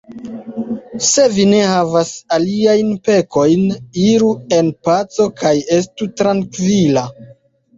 Se vi ne havas aliajn pekojn, iru en paco kaj estu trankvila!